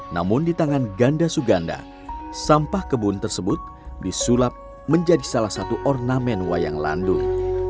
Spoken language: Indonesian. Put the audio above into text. namun di tangan ganda suganda sampah kebun tersebut disulap menjadi salah satu ornamen wayang landung